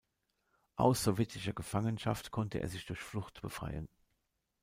Aus sowjetischer Gefangenschaft konnte er sich durch Flucht befreien.